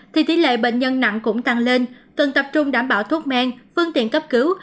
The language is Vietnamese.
thì tỷ lệ bệnh nhân nặng cũng tăng lên cần tập trung đảm bảo thuốc men phương tiện cấp cứu